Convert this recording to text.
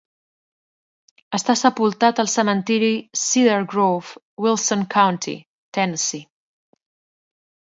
Està sepultat al cementiri Cedar Grove, Wilson County, Tennessee.